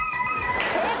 正解。